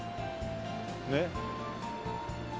ねっ。